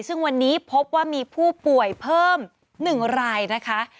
ซึ่งวันนี้พบว่ามีผู้ป่วยเพิ่ม๑รายนะคะ